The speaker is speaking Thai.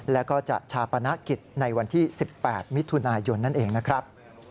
แล้วก็จะชาปนกิจในวันที่๑๘มิถุนายนนั่นเองนะครับ